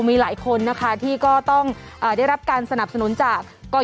มีหลายคนนะคะที่ก็ต้องได้รับการสนับสนุนจากกร